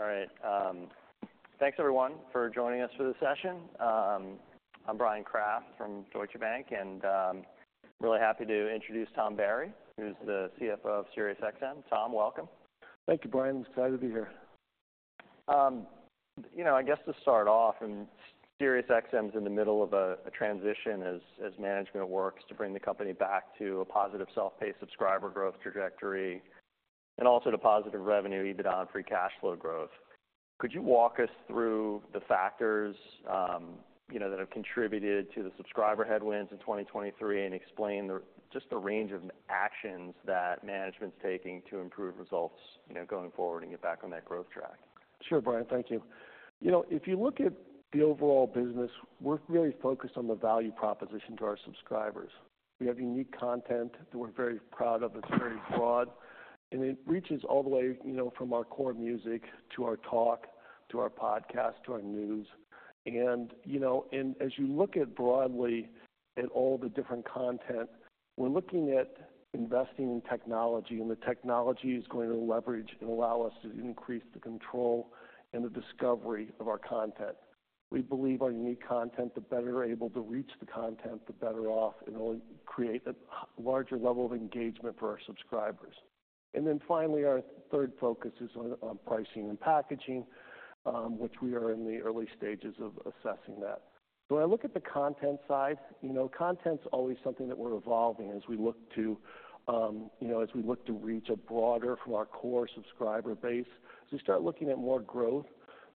All right. Thanks everyone for joining us for this session. I'm Bryan Kraft from Deutsche Bank and really happy to introduce Tom Barry who's the CFO of SiriusXM. Tom, welcome. Thank you, Bryan. It's exciting to be here. you know I guess to start off and SiriusXM's in the middle of a transition as management works to bring the company back to a positive self-pay subscriber growth trajectory and also to positive revenue EBITDA on free cash flow growth. Could you walk us through the factors you know that have contributed to the subscriber headwinds in 2023 and explain just the range of actions that management's taking to improve results you know going forward and get back on that growth track? Sure, Bryan, thank you. You know, if you look at the overall business, we're really focused on the value proposition to our subscribers. We have unique content that we're very proud of. It's very broad. And it reaches all the way, you know, from our core music to our talk to our podcast to our news. And you know, and as you look broadly at all the different content, we're looking at investing in technology. And the technology is going to leverage and allow us to increase the control and the discovery of our content. We believe our unique content the better able to reach the content the better off and only create a larger level of engagement for our subscribers. And then finally our third focus is on pricing and packaging, which we are in the early stages of assessing that. So when I look at the content side, you know, content's always something that we're evolving as we look to, you know, as we look to reach a broader from our core subscriber base. As we start looking at more growth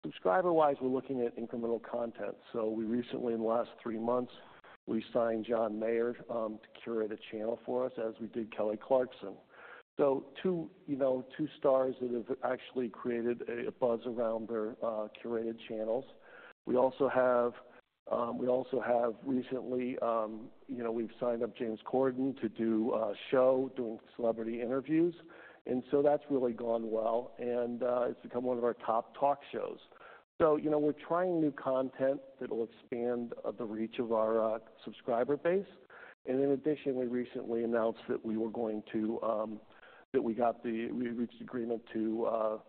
subscriber-wise, we're looking at incremental content. So we recently, in the last three months, we signed John Mayer to curate a channel for us as we did Kelly Clarkson. So two, you know, two stars that have actually created a buzz around their curated channels. We also have recently, you know, we've signed up James Corden to do a show doing celebrity interviews. And so that's really gone well. And it's become one of our top talk shows. So you know we're trying new content that'll expand the reach of our subscriber base. In addition, we recently announced that we reached agreement to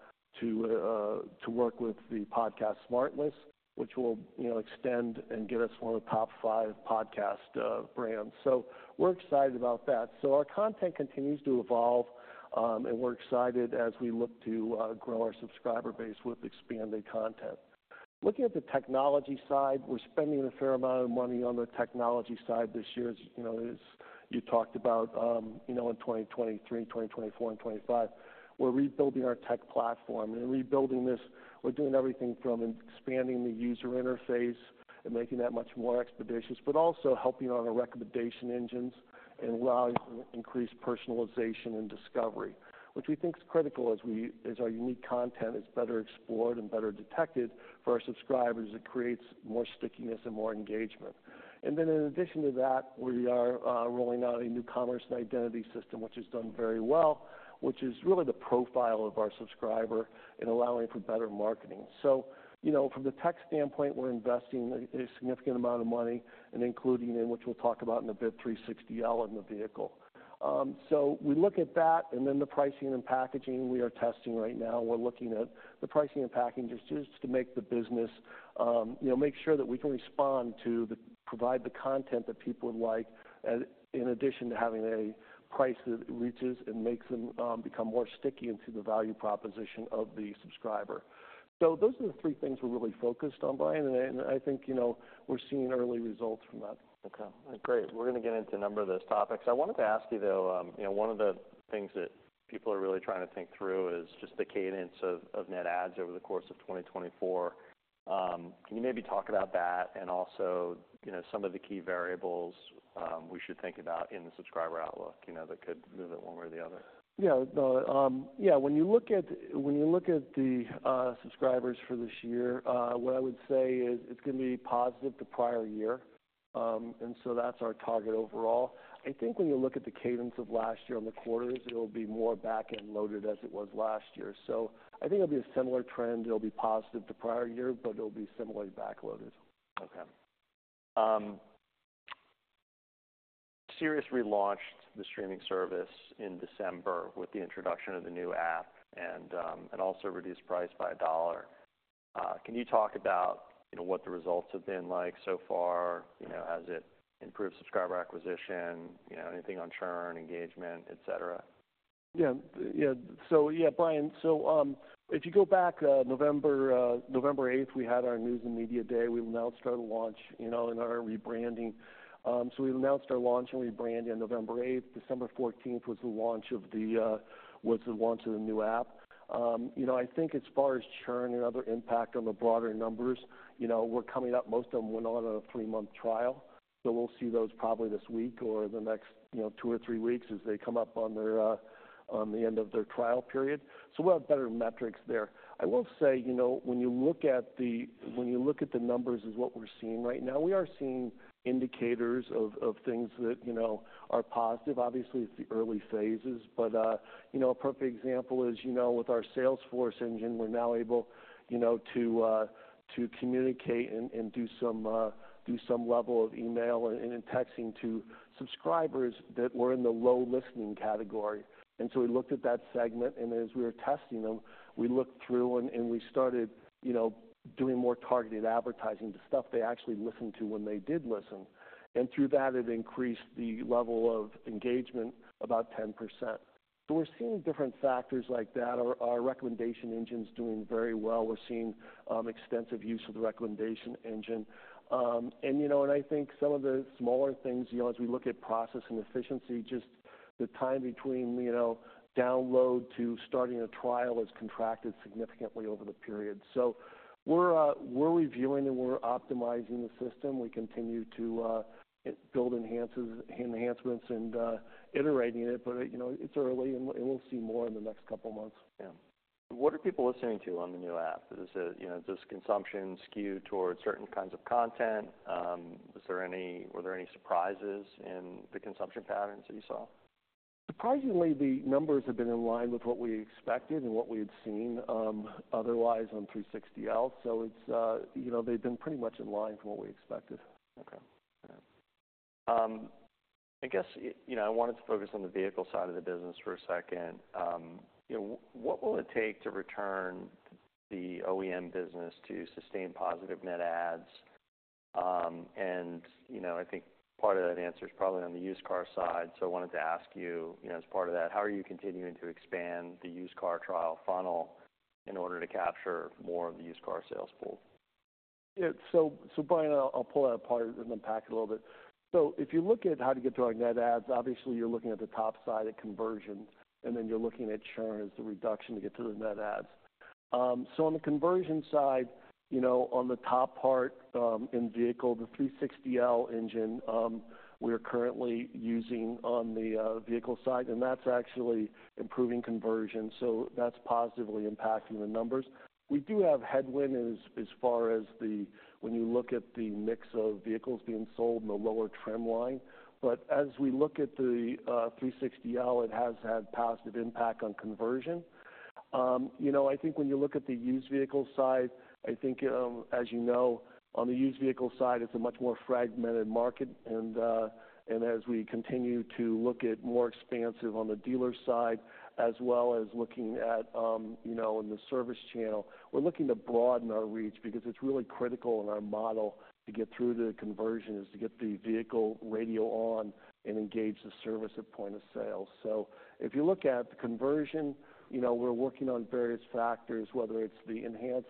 work with the podcast SmartLess, which will, you know, extend and get us one of the top five podcast brands. So we're excited about that. So our content continues to evolve, and we're excited as we look to grow our subscriber base with expanded content. Looking at the technology side, we're spending a fair amount of money on the technology side this year, as you know, as you talked about, you know, in 2023, 2024, and 2025. We're rebuilding our tech platform and rebuilding this; we're doing everything from expanding the user interface and making that much more expeditious, but also helping on our recommendation engines and allowing increased personalization and discovery. Which we think's critical as our unique content is better explored and better detected for our subscribers. It creates more stickiness and more engagement. And then in addition to that we are rolling out a new commerce and identity system which has done very well which is really the profile of our subscriber and allowing for better marketing. So you know from the tech standpoint we're investing a significant amount of money and including in which we'll talk about in the 360L in the vehicle. So we look at that and then the pricing and packaging we are testing right now. We're looking at the pricing and packaging just to make the business, you know, make sure that we can respond to and provide the content that people would like, and in addition to having a price that reaches and makes them become more sticky into the value proposition of the subscriber. So those are the three things we're really focused on, Bryan and I, and I think, you know, we're seeing early results from that. Okay. Great. We're gonna get into a number of those topics. I wanted to ask you though, you know, one of the things that people are really trying to think through is just the cadence of net adds over the course of 2024. Can you maybe talk about that and also, you know, some of the key variables we should think about in the subscriber outlook, you know, that could move it one way or the other? Yeah, no, yeah, when you look at the subscribers for this year, what I would say is it's gonna be positive to prior year. And so that's our target overall. I think when you look at the cadence of last year on the quarters, it'll be more back-end loaded as it was last year. So I think it'll be a similar trend. It'll be positive to prior year but it'll be similarly backloaded. Okay. Sirius relaunched the streaming service in December with the introduction of the new app and also reduced price by $1. Can you talk about you know what the results have been like so far? You know has it improved subscriber acquisition? You know anything on churn engagement etc.? Yeah, so yeah, Bryan. So if you go back to November eighth, we had our news and media day. We'll announce our launch, you know, and our rebranding. So we'll announce our launch and rebranding on November eighth. December fourteenth was the launch of the new app. You know, I think as far as churn and other impact on the broader numbers, you know, we're coming up. Most of them went on a 3-month trial. So we'll see those probably this week or the next two or three weeks as they come up on the end of their trial period. So we'll have better metrics there. I will say, you know, when you look at the numbers, is what we're seeing right now. We are seeing indicators of things that you know are positive. Obviously it's the early phases. But you know a perfect example is you know with our Salesforce engine we're now able you know to communicate and do some level of email and texting to subscribers that were in the low listening category. And so we looked at that segment and as we were testing them we looked through and we started you know doing more targeted advertising to stuff they actually listened to when they did listen. And through that it increased the level of engagement about 10%. So we're seeing different factors like that. Our recommendation engine's doing very well. We're seeing extensive use of the recommendation engine. You know, and I think some of the smaller things, you know, as we look at process and efficiency, just the time between, you know, download to starting a trial has contracted significantly over the period. So we're reviewing and we're optimizing the system. We continue to build enhancements and iterating it. But you know it's early and we'll see more in the next couple months. Yeah. What are people listening to on the new app? Is this a, you know, does consumption skew towards certain kinds of content? Is there any? Were there any surprises in the consumption patterns that you saw? Surprisingly, the numbers have been in line with what we expected and what we had seen otherwise on 360L. So it's, you know, they've been pretty much in line from what we expected. Okay. All right. I guess, you know, I wanted to focus on the vehicle side of the business for a second. You know, what will it take to return the OEM business to sustain positive net adds? And you know, I think part of that answer's probably on the used car side. So I wanted to ask you, you know, as part of that, how are you continuing to expand the used car trial funnel in order to capture more of the used car sales pool? So, Brian, I'll pull that apart and unpack it a little bit. So if you look at how to get to our net adds, obviously you're looking at the top side at conversion. And then you're looking at churn as the reduction to get to the net adds. So on the conversion side, you know, on the top part in vehicle, the 360L engine we are currently using on the vehicle side. And that's actually improving conversion. So that's positively impacting the numbers. We do have headwind as far as when you look at the mix of vehicles being sold in the lower trim line. But as we look at the 360L, it has had positive impact on conversion. You know, I think when you look at the used vehicle side, I think as you know on the used vehicle side it's a much more fragmented market. And as we continue to look at more expansive on the dealer side as well as looking at you know in the service channel, we're looking to broaden our reach because it's really critical in our model to get through to the conversion is to get the vehicle radio on and engage the service at point of sale. So if you look at the conversion, you know we're working on various factors whether it's the enhanced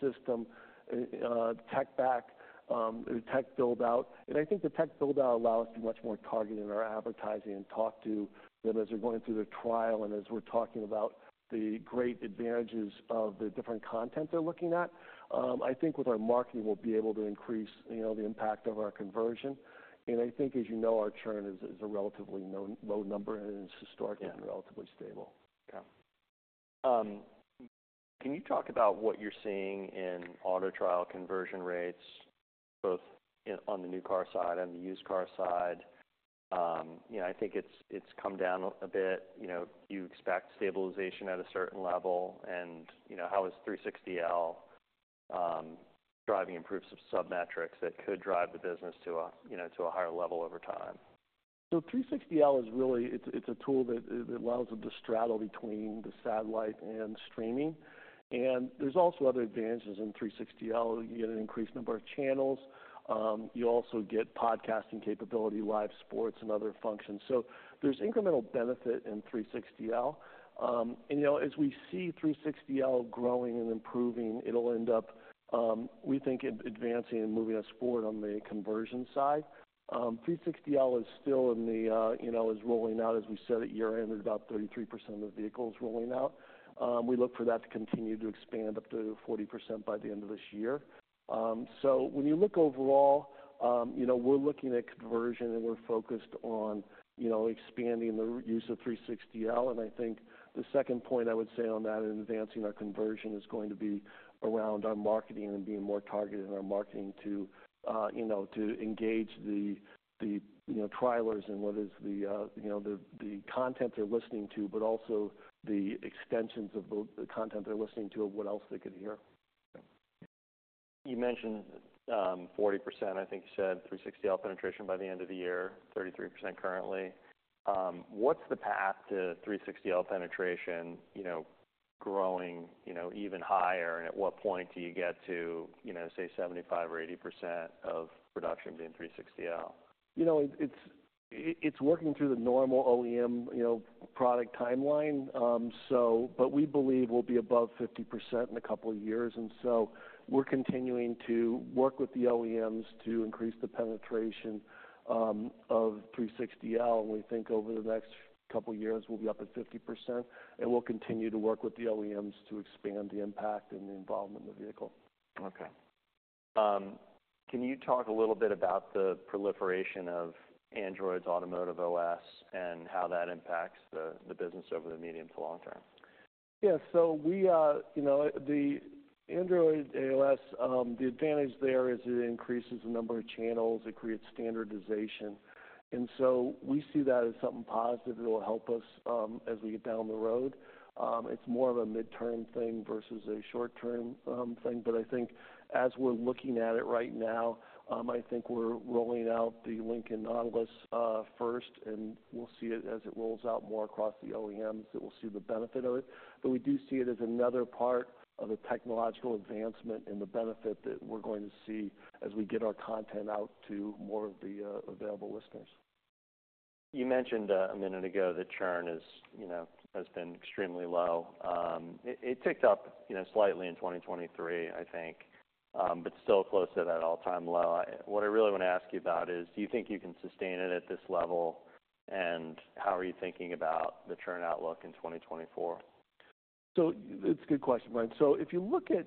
system IT tech stack or tech build-out. And I think the tech build-out allows us to be much more targeted in our advertising and talk to them as they're going through their trial. As we're talking about the great advantages of the different content they're looking at, I think with our marketing we'll be able to increase, you know, the impact of our conversion. I think as you know our churn is a relatively low number and it's historically been relatively stable. Yeah. Okay. Can you talk about what you're seeing in auto trial conversion rates both in the new car side and the used car side? You know, I think it's come down a bit. You know, you expect stabilization at a certain level. And you know how is 360L driving improved subscription metrics that could drive the business to a, you know, to a higher level over time? So 360L is really it's a tool that it allows them to straddle between the satellite and streaming. And there's also other advantages in 360L. You get an increased number of channels. You also get podcasting capability, live sports, and other functions. So there's incremental benefit in 360L. And, you know, as we see 360L growing and improving, it'll end up, we think, advancing and moving us forward on the conversion side. 360L is still, you know, rolling out, as we said, at year-end at about 33% of the vehicles rolling out. We look for that to continue to expand up to 40% by the end of this year. So when you look overall, you know, we're looking at conversion and we're focused on, you know, expanding our use of 360L. And I think the second point I would say on that in advancing our conversion is going to be around our marketing and being more targeted in our marketing to, you know, to engage the, you know, trialers in what is the, you know, the content they're listening to but also the extensions of the content they're listening to of what else they could hear. Okay. Yeah. You mentioned 40% I think you said 360L penetration by the end of the year. 33% currently. What's the path to 360L penetration you know growing you know even higher? And at what point do you get to you know say 75% or 80% of production being 360L? You know, it's working through the normal OEM, you know, product timeline. So but we believe we'll be above 50% in a couple years. And so we're continuing to work with the OEMs to increase the penetration of 360L. And we think over the next couple years we'll be up at 50%. And we'll continue to work with the OEMs to expand the impact and the involvement in the vehicle. Okay. Can you talk a little bit about the proliferation of Android Automotive OS and how that impacts the business over the medium to long term? Yeah, so we, you know, with the Android Automotive OS, the advantage there is it increases the number of channels. It creates standardization. So we see that as something positive. It'll help us as we get down the road. It's more of a mid-term thing versus a short-term thing. But I think as we're looking at it right now, I think we're rolling out the Lincoln Nautilus first. And we'll see it as it rolls out more across the OEMs that we'll see the benefit of it. But we do see it as another part of the technological advancement and the benefit that we're going to see as we get our content out to more of the available listeners. You mentioned a minute ago that churn is you know has been extremely low. It ticked up you know slightly in 2023 I think but still close to that all-time low. What I really wanna ask you about is do you think you can sustain it at this level? How are you thinking about the churn outlook in 2024? So it's a good question, Bryan. So if you look at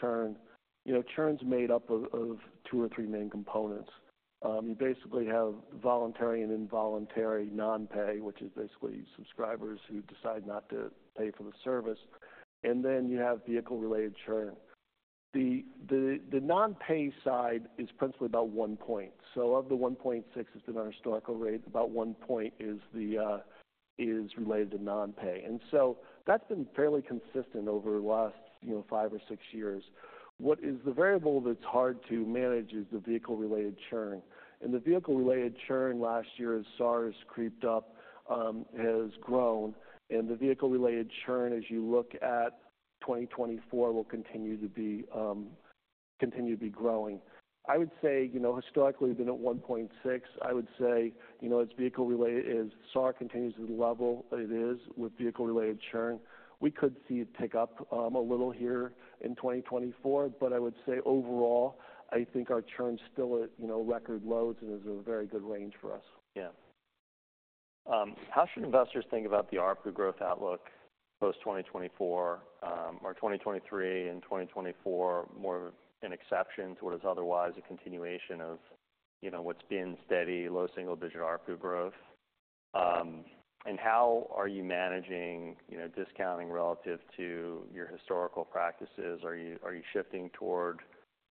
churn, you know, churn's made up of two or three main components. You basically have voluntary and involuntary non-pay, which is basically subscribers who decide not to pay for the service. And then you have vehicle-related churn. The non-pay side is principally about 1 point. So of the 1.6 that's been our historical rate, about 1 point is related to non-pay. And so that's been fairly consistent over the last, you know, five or six years. What is the variable that's hard to manage is the vehicle-related churn. And the vehicle-related churn last year as SAR has creeped up has grown. And the vehicle-related churn as you look at 2024 will continue to be growing. I would say you know historically it's been at 1.6. I would say you know it's vehicle-related as SAR continues to the level it is with vehicle-related churn. We could see it tick up a little here in 2024. But I would say overall I think our churn's still at you know record lows. It is a very good range for us. Yeah. How should investors think about the ARPU growth outlook post-2024 or 2023 and 2024 more of an exception to what is otherwise a continuation of you know what's been steady low single-digit ARPU growth? And how are you managing you know discounting relative to your historical practices? Are you shifting toward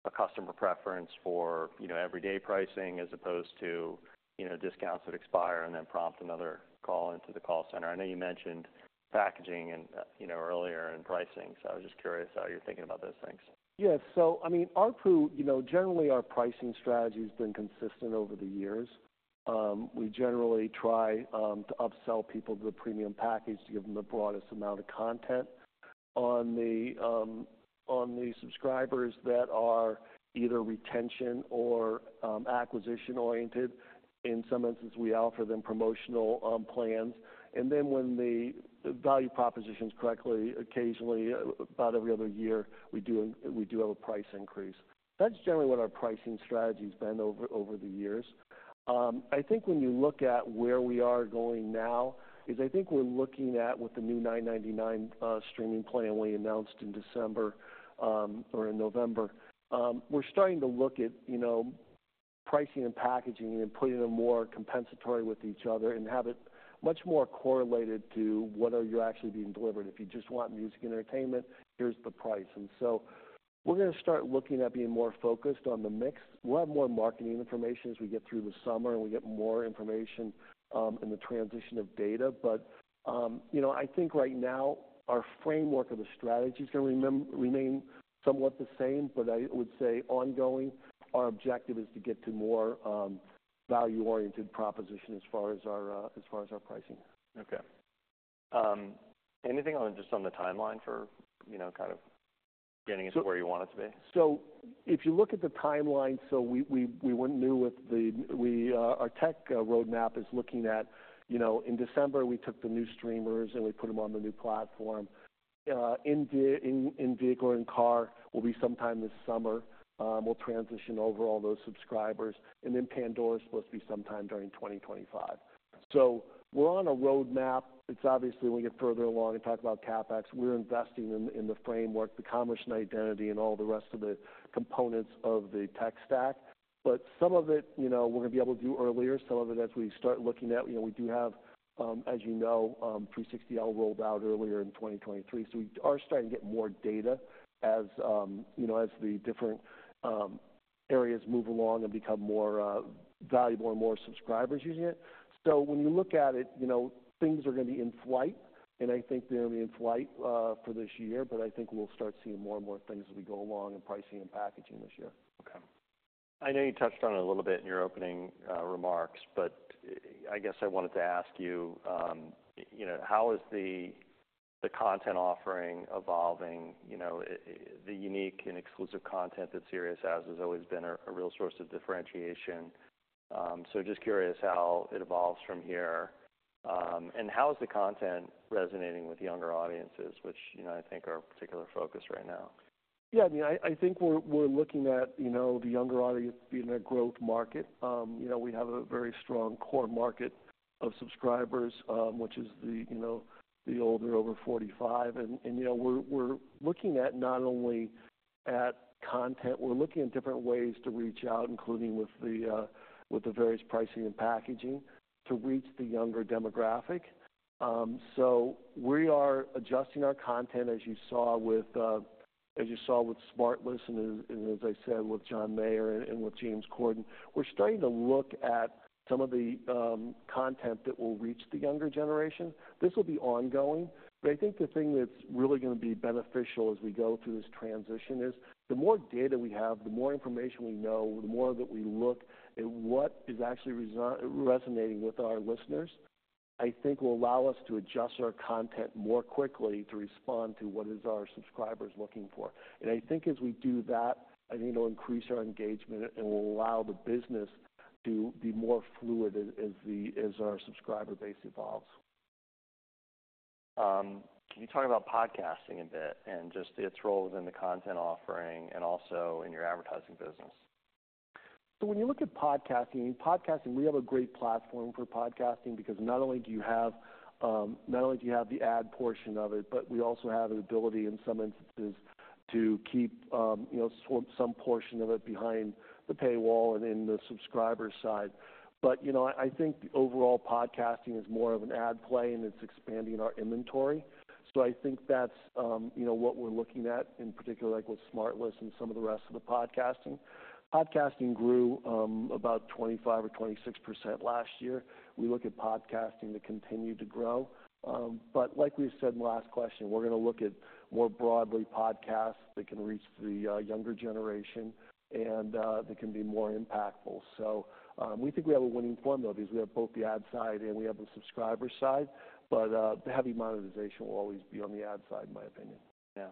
a customer preference for you know everyday pricing as opposed to you know discounts that expire and then prompt another call into the call center? I know you mentioned packaging and you know earlier and pricing. So I was just curious how you're thinking about those things. Yeah, so I mean, ARPU, you know, generally our pricing strategy's been consistent over the years. We generally try to upsell people to the premium package to give them the broadest amount of content. On the subscribers that are either retention- or acquisition-oriented, in some instances we offer them promotional plans. And then when the value proposition's correctly, occasionally about every other year we do have a price increase. That's generally what our pricing strategy's been over the years. I think when you look at where we are going now is I think we're looking at with the new $9.99 streaming plan we announced in December or in November, we're starting to look at, you know, pricing and packaging and putting them more complementary with each other and have it much more correlated to what are you actually being delivered. If you just want music entertainment, here's the price. So we're gonna start looking at being more focused on the mix. We'll have more marketing information as we get through the summer and we get more information in the transition of data. But you know I think right now our framework of the strategy's gonna remain somewhat the same. But I would say ongoing our objective is to get to more value-oriented proposition as far as our as far as our pricing. Okay. Anything on just on the timeline for, you know, kind of getting it to where you want it to be? So if you look at the timeline, so we went new with the MVP, our tech roadmap is looking at, you know, in December we took the new streamers and we put them on the new platform. In-vehicle and car will be sometime this summer. We'll transition over all those subscribers. And then Pandora's supposed to be sometime during 2025. So we're on a roadmap. It's obviously when we get further along and talk about CapEx we're investing in the framework, the commerce and identity and all the rest of the components of the tech stack. But some of it you know we're gonna be able to do earlier. Some of it as we start looking at you know we do have as you know 360L rolled out earlier in 2023. So we are starting to get more data as you know, as the different areas move along and become more valuable and more subscribers using it. So when you look at it, you know things are gonna be in flight. And I think they're gonna be in flight for this year. But I think we'll start seeing more and more things as we go along in pricing and packaging this year. Okay. I know you touched on it a little bit in your opening remarks. But I guess I wanted to ask you, you know, how is the content offering evolving? You know, the unique and exclusive content that Sirius has has always been a real source of differentiation. So just curious how it evolves from here. And how is the content resonating with younger audiences, which you know I think are a particular focus right now? Yeah, I mean, I think we're looking at, you know, the younger audience being a growth market. You know, we have a very strong core market of subscribers, which is the, you know, the older over 45. And you know, we're looking at not only at content; we're looking at different ways to reach out, including with the various pricing and packaging to reach the younger demographic. So we are adjusting our content, as you saw with SmartLess and as I said with John Mayer and with James Corden. We're starting to look at some of the content that will reach the younger generation. This will be ongoing. But I think the thing that's really gonna be beneficial as we go through this transition is the more data we have, the more information we know, the more that we look at what is actually resonating with our listeners. I think will allow us to adjust our content more quickly to respond to what is our subscribers looking for. And I think as we do that, I think it'll increase our engagement and will allow the business to be more fluid as the as our subscriber base evolves. Can you talk about podcasting a bit and just its role within the content offering and also in your advertising business? So when you look at podcasting podcasting we have a great platform for podcasting because not only do you have not only do you have the ad portion of it but we also have an ability in some instances to keep you know some portion of it behind the paywall and in the subscriber side. But you know I I think the overall podcasting is more of an ad play and it's expanding our inventory. So I think that's you know what we're looking at in particular like with SmartLess and some of the rest of the podcasting. Podcasting grew about 25 or 26% last year. We look at podcasting to continue to grow. But like we said in the last question we're gonna look at more broadly podcasts that can reach the younger generation and that can be more impactful. We think we have a winning formula because we have both the ad side and we have the subscriber side. But the heavy monetization will always be on the ad side in my opinion. Yeah.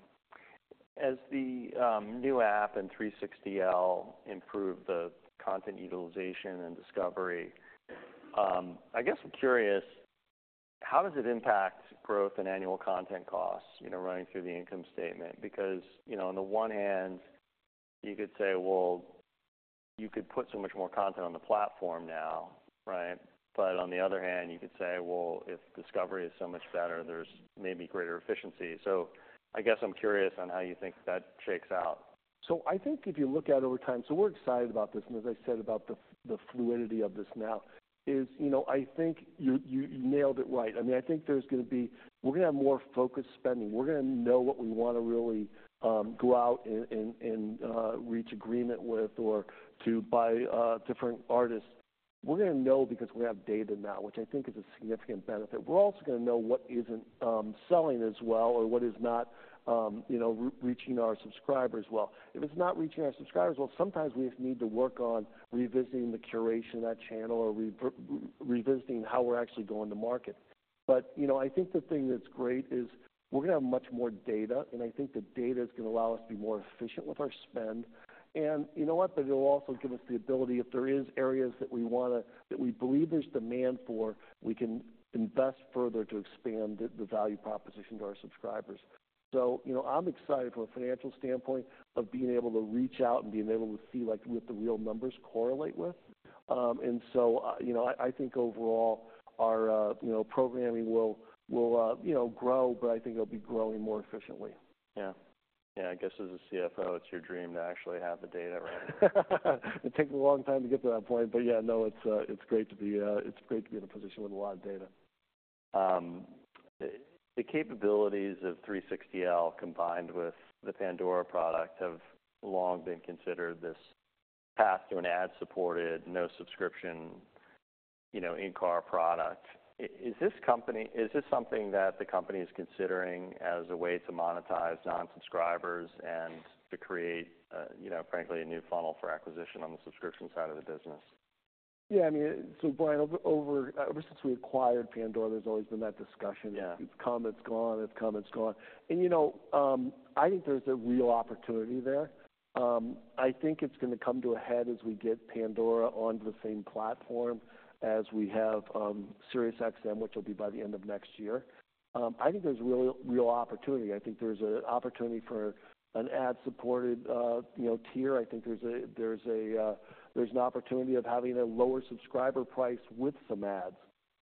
As the new app and 360L improve the content utilization and discovery I guess I'm curious how does it impact growth and annual content costs you know running through the income statement? Because you know on the one hand you could say well you could put so much more content on the platform now right? But on the other hand you could say well if discovery is so much better there's maybe greater efficiency. So I guess I'm curious on how you think that shakes out. So I think if you look at over time, so we're excited about this and as I said about the fluidity of this now is, you know, I think you nailed it right. I mean, I think there's gonna be we're gonna have more focused spending. We're gonna know what we wanna really go out and reach agreement with or to buy different artists. We're gonna know because we have data now, which I think is a significant benefit. We're also gonna know what isn't selling as well or what is not, you know, reaching our subscribers well. If it's not reaching our subscribers well, sometimes we just need to work on revisiting the curation of that channel or revisiting how we're actually going to market. But you know, I think the thing that's great is we're gonna have much more data. I think the data's gonna allow us to be more efficient with our spend. You know what? But it'll also give us the ability if there is areas that we wanna that we believe there's demand for we can invest further to expand the value proposition to our subscribers. So you know I'm excited from a financial standpoint of being able to reach out and being able to see like what the real numbers correlate with. And so you know I think overall our you know programming will you know grow. But I think it'll be growing more efficiently. Yeah. Yeah, I guess as a CFO it's your dream to actually have the data right? It takes a long time to get to that point. But yeah no it's great to be in a position with a lot of data. The capabilities of 360L combined with the Pandora product have long been considered this and ad-supported no-subscription, you know, in-car product. Is this something that the company is considering as a way to monetize non-subscribers and to create, you know, frankly a new funnel for acquisition on the subscription side of the business? Yeah, I mean, it's so, Bryan, over the years ever since we acquired Pandora, there's always been that discussion. Yeah. It's come, it's gone, it's come, it's gone. And you know, I think there's a real opportunity there. I think it's gonna come to a head as we get Pandora onto the same platform as we have SiriusXM, which will be by the end of next year. I think there's real real opportunity. I think there's a opportunity for an ad-supported, you know, tier. I think there's a there's a there's an opportunity of having a lower subscriber price with some ads.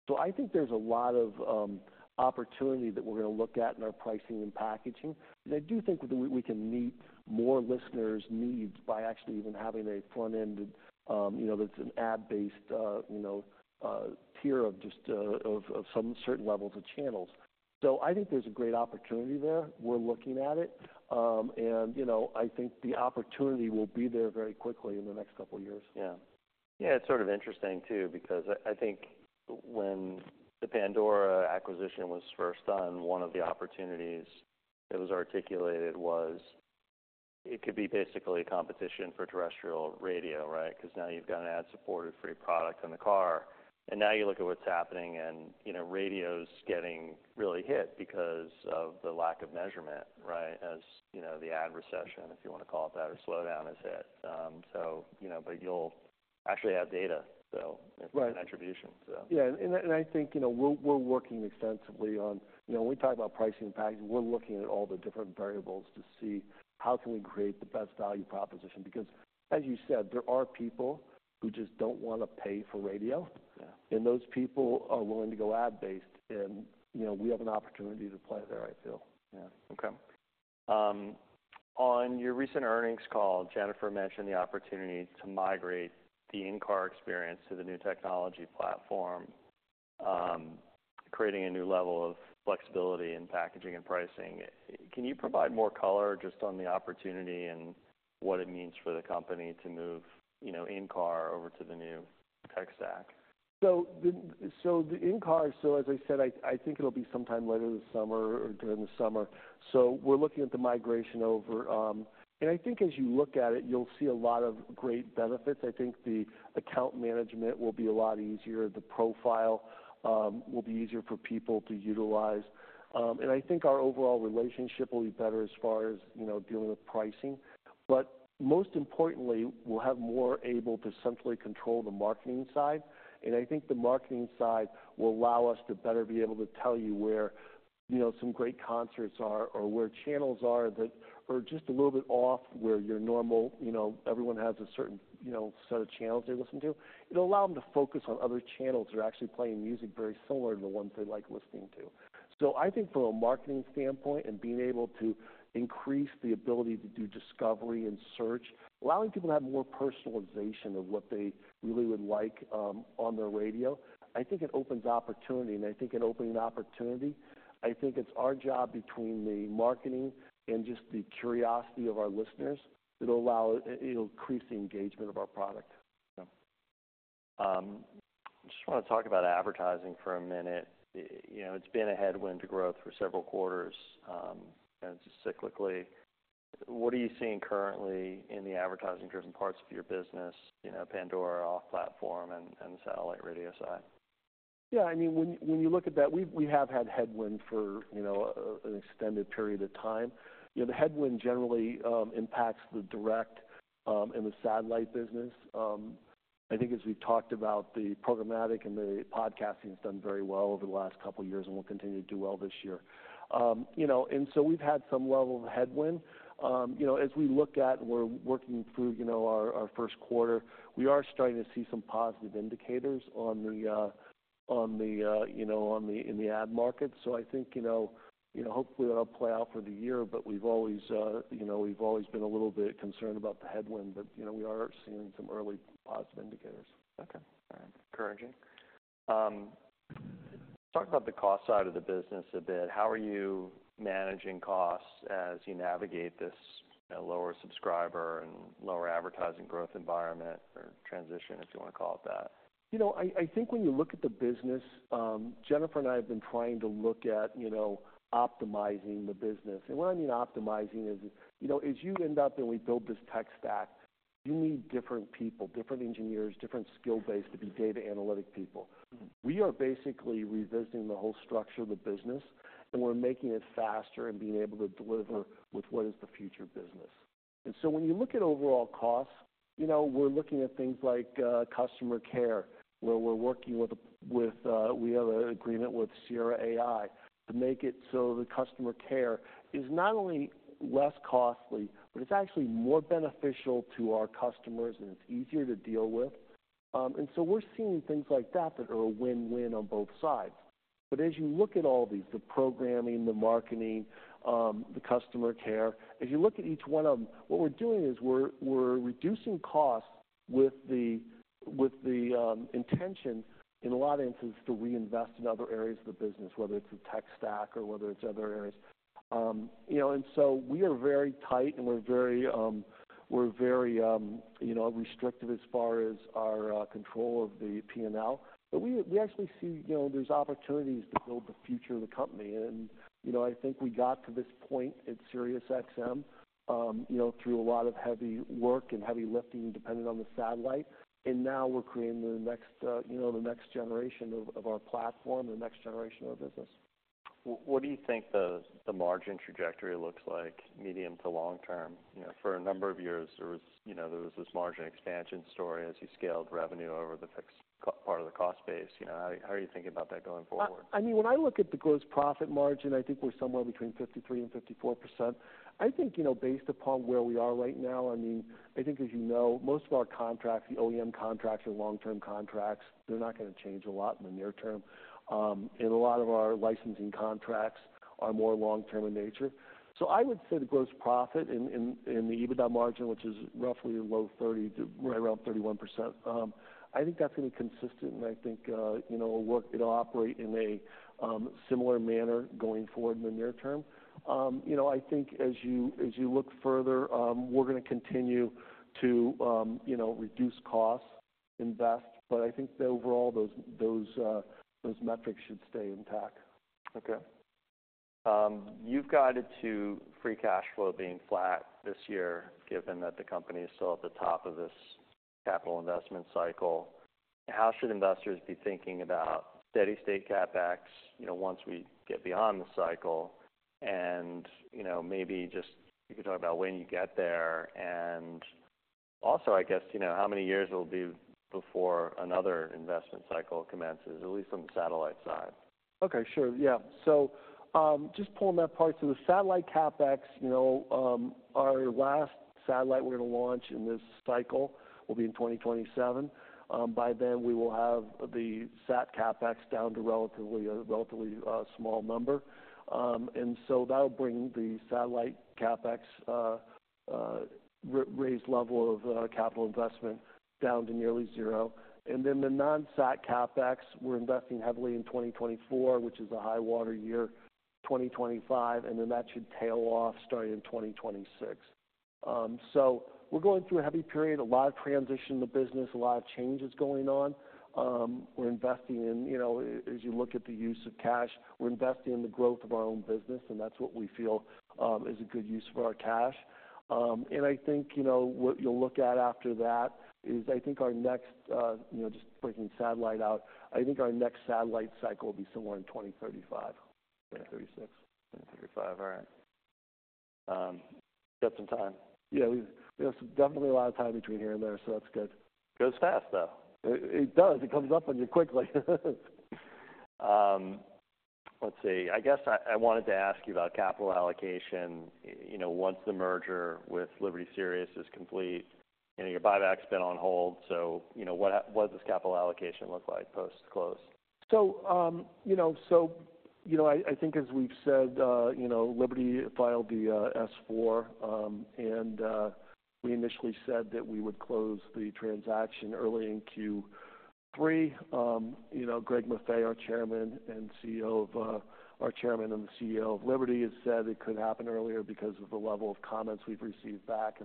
So I think there's a lot of opportunity that we're gonna look at in our pricing and packaging. And I do think with the we we can meet more listeners' needs by actually even having a front-ended, you know, that's an ad-based, you know, tier of just of of some certain levels of channels. So I think there's a great opportunity there. We're looking at it. and you know I think the opportunity will be there very quickly in the next couple years. Yeah. Yeah, it's sort of interesting too because I think when the Pandora acquisition was first done, one of the opportunities that was articulated was it could be basically a competition for terrestrial radio, right? 'Cause now you've got an ad-supported free product in the car. And now you look at what's happening and you know radio's getting really hit because of the lack of measurement, right? As you know, the ad recession—if you wanna call it that—or slowdown has hit. So you know, but you'll actually have data though. Right. It's an attribution so. Yeah, and I think, you know, we're working extensively on, you know, when we talk about pricing and packaging, we're looking at all the different variables to see how we can create the best value proposition. Because, as you said, there are people who just don't wanna pay for radio. Yeah. Those people are willing to go ad-based. You know we have an opportunity to play there I feel. Yeah. Okay. On your recent earnings call Jennifer mentioned the opportunity to migrate the in-car experience to the new technology platform creating a new level of flexibility in packaging and pricing. Can you provide more color just on the opportunity and what it means for the company to move you know in-car over to the new tech stack? So, as I said, I think it'll be sometime later this summer or during the summer. So we're looking at the migration over and I think as you look at it you'll see a lot of great benefits. I think the account management will be a lot easier. The profile will be easier for people to utilize. And I think our overall relationship will be better as far as you know dealing with pricing. But most importantly we'll have more able to centrally control the marketing side. And I think the marketing side will allow us to better be able to tell you where you know some great concerts are or where channels are that are just a little bit off where your normal you know everyone has a certain you know set of channels they listen to. It'll allow them to focus on other channels that are actually playing music very similar to the ones they like listening to. So I think from a marketing standpoint and being able to increase the ability to do discovery and search, allowing people to have more personalization of what they really would like on their radio, I think it opens opportunity. And I think in opening opportunity, I think it's our job between the marketing and just the curiosity of our listeners that'll allow it. It'll increase the engagement of our product. Yeah. I just wanna talk about advertising for a minute. You know, it's been a headwind to growth for several quarters and it's just cyclically. What are you seeing currently in the advertising-driven parts of your business? You know, Pandora off-platform and the satellite radio side? Yeah, I mean, when you look at that, we have had headwind for, you know, an extended period of time. You know, the headwind generally impacts the direct and the satellite business. I think as we've talked about, the programmatic and the podcasting's done very well over the last couple years and will continue to do well this year. You know, and so we've had some level of headwind. You know, as we look at, we're working through our first quarter, we are starting to see some positive indicators on the in the ad market. So I think, you know, hopefully that'll play out for the year. But you know, we are seeing some early positive indicators. Okay. All right. Encouraging. Talk about the cost side of the business a bit. How are you managing costs as you navigate this, you know, lower subscriber and lower advertising growth environment or transition if you wanna call it that? You know, I think when you look at the business, Jennifer and I have been trying to look at, you know, optimizing the business. And what I mean optimizing is, you know, as you end up and we build this tech stack, you need different people, different engineers, different skill base to be data analytic people. We are basically revisiting the whole structure of the business and we're making it faster and being able to deliver with what is the future business. And so when you look at overall costs you know we're looking at things like customer care where we're working with we have an agreement with Sierra AI to make it so the customer care is not only less costly but it's actually more beneficial to our customers and it's easier to deal with. And so we're seeing things like that that are a win-win on both sides. But as you look at all these, the programming, the marketing, the customer care, as you look at each one of them, what we're doing is we're reducing costs with the intention in a lot of instances to reinvest in other areas of the business, whether it's the tech stack or whether it's other areas. You know, and so we are very tight and we're very restrictive as far as our control of the P&L. But we actually see you know there's opportunities to build the future of the company. And you know, I think we got to this point at SiriusXM you know through a lot of heavy work and heavy lifting dependent on the satellite. And now we're creating the next you know the next generation of our platform, the next generation of our business. What do you think the margin trajectory looks like medium to long term? You know for a number of years there was you know there was this margin expansion story as you scaled revenue over the fixed cap part of the cost base. You know how are you thinking about that going forward? I mean, when I look at the gross profit margin, I think we're somewhere between 53% and 54%. I think, you know, based upon where we are right now, I mean, I think as you know, most of our contracts, the OEM contracts, are long-term contracts. They're not gonna change a lot in the near term. A lot of our licensing contracts are more long-term in nature. So I would say the gross profit in the EBITDA margin, which is roughly low 30 to right around 31%, I think that's gonna be consistent. And I think, you know, it'll work, it'll operate in a similar manner going forward in the near term. You know, I think as you look further, we're gonna continue to, you know, reduce costs, invest. But I think that overall those metrics should stay intact. Okay. You've got it to free cash flow being flat this year given that the company is still at the top of this capital investment cycle. How should investors be thinking about steady-state CapEx you know once we get beyond the cycle? And you know maybe just you could talk about when you get there. And also I guess you know how many years it'll be before another investment cycle commences at least on the satellite side? Okay, sure. Yeah. So, just pulling that part. So, the satellite CapEx, you know, our last satellite we're gonna launch in this cycle will be in 2027. By then, we will have the sat CapEx down to relatively a relatively small number. And so, that'll bring the satellite CapEx raised level of capital investment down to nearly zero. And then, the non-sat CapEx we're investing heavily in 2024, which is a high-water year, 2025. And then, that should tail off starting in 2026. So, we're going through a heavy period, a lot of transition in the business, a lot of change is going on. We're investing in, you know, as you look at the use of cash, we're investing in the growth of our own business. And that's what we feel is a good use of our cash. And I think you know what you'll look at after that is I think our next you know just breaking satellite out I think our next satellite cycle will be somewhere in 2035. 2036. 2035. All right. You got some time? Yeah, we have some definitely a lot of time between here and there, so that's good. Goes fast though. It does. It comes up on you quickly. Let's see. I guess I wanted to ask you about capital allocation. I, you know, once the merger with Liberty Sirius is complete and your buyback's been on hold. So you know what does capital allocation look like post-close? So you know, so you know, I think as we've said, you know, Liberty filed the S-4. And we initially said that we would close the transaction early in Q3. You know, Greg Maffei, our chairman and CEO of our chairman and the CEO of Liberty, has said it could happen earlier because of the level of comments we've received back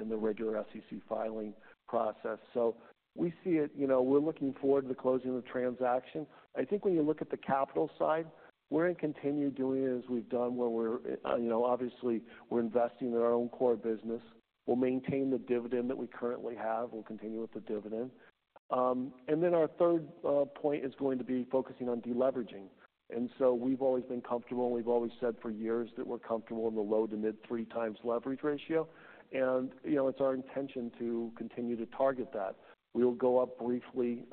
in the regular SEC filing process. So we see it, you know, we're looking forward to the closing of the transaction. I think when you look at the capital side, we're gonna continue doing it as we've done where we're, you know, obviously we're investing in our own core business. We'll maintain the dividend that we currently have. We'll continue with the dividend. And then our third point is going to be focusing on deleveraging. So we've always been comfortable and we've always said for years that we're comfortable in the low- to mid-3x leverage ratio. You know it's our intention to continue to target that. We'll go up briefly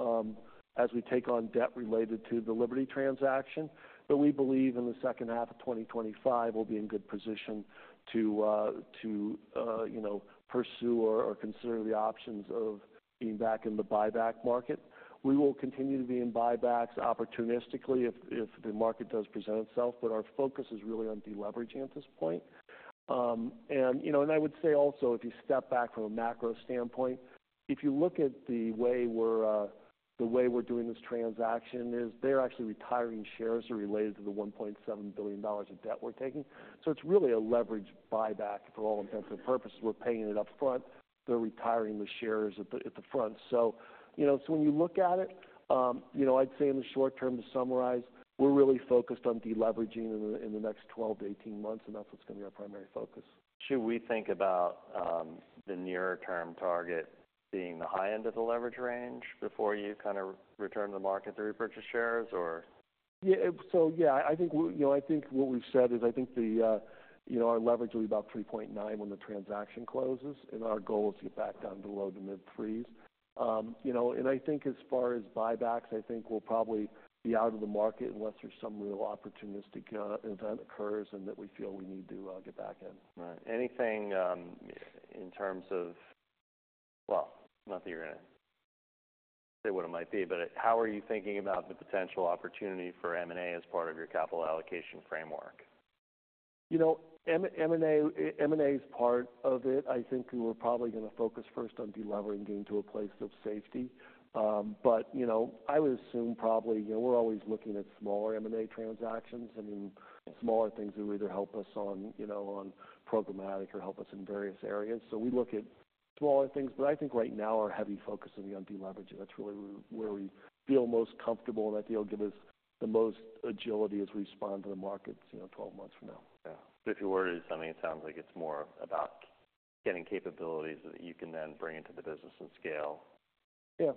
as we take on debt related to the Liberty transaction. But we believe in the second half of 2025 we'll be in good position to you know pursue or consider the options of being back in the buyback market. We will continue to be in buybacks opportunistically if the market does present itself. But our focus is really on deleveraging at this point. and you know, and I would say also, if you step back from a macro standpoint, if you look at the way we're the way we're doing this transaction, it is they're actually retiring shares that are related to the $1.7 billion of debt we're taking. So it's really a leveraged buyback for all intents and purposes. We're paying it up front. They're retiring the shares at the front. So you know, so when you look at it, you know, I'd say in the short term, to summarize, we're really focused on deleveraging in the next 12-18 months. And that's what's gonna be our primary focus. Should we think about the nearer term target being the high end of the leverage range before you kinda return to the market to repurchase shares or? Yeah, so yeah, I think we, you know, I think what we've said is, I think, you know, our leverage will be about 3.9 when the transaction closes. Our goal is to get back down to low-to-mid 3s, you know, and I think as far as buybacks, I think we'll probably be out of the market unless there's some real opportunistic event occurs and that we feel we need to get back in. Right. Anything in terms of, well, not that you're gonna say what it might be, but how are you thinking about the potential opportunity for M&A as part of your capital allocation framework? You know, M&A is part of it. I think we're probably gonna focus first on deleveraging to a place of safety. But you know, I would assume probably you know we're always looking at smaller M&A transactions. I mean smaller things that will either help us on, you know, on programmatic or help us in various areas. So we look at smaller things. But I think right now our heavy focus will be on deleveraging. That's really where we feel most comfortable. And I think it'll give us the most agility as we respond to the markets, you know, 12 months from now. Yeah. But if you were to, I mean, it sounds like it's more about getting capabilities that you can then bring into the business and scale. Yeah.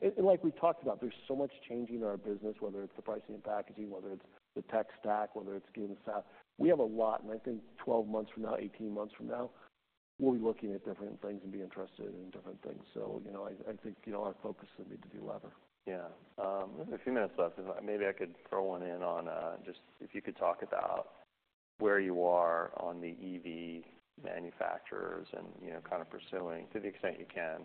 I like we've talked about there's so much changing in our business whether it's the pricing and packaging whether it's the tech stack whether it's getting the sat we have a lot. I think 12 months from now 18 months from now we'll be looking at different things and be interested in different things. So you know I think you know our focus will be to delever. Yeah. We have a few minutes left. If I maybe I could throw one in on just if you could talk about where you are on the EV manufacturers and you know kinda pursuing to the extent you can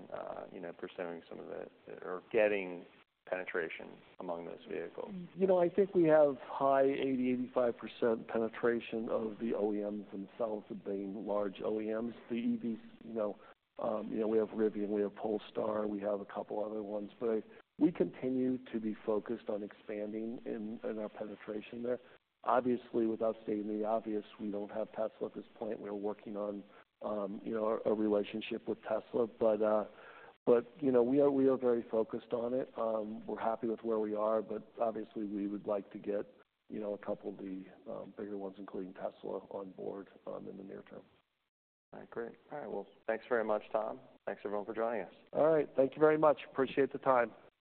you know pursuing some of the EVs or getting penetration among those vehicles. You know, I think we have high 85% penetration of the OEMs themselves, that being large OEMs. The EVs, you know, you know, we have Rivian. We have Polestar. We have a couple other ones. But we continue to be focused on expanding in our penetration there. Obviously, without stating the obvious, we don't have Tesla at this point. We're working on, you know, our relationship with Tesla. But you know, we are very focused on it. We're happy with where we are. But obviously we would like to get, you know, a couple of the bigger ones including Tesla on board in the near term. All right. Great. All right. Well thanks very much Tom. Thanks everyone for joining us. All right. Thank you very much. Appreciate the time.